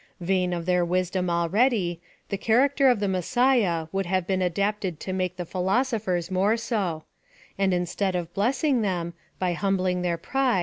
Vain of their wisdom already, the cliaracier of the Messiah would have been adapted to make the philosophers more so ; and in stead of blessing them, by humbling their pride, PLAK OF SALVATION.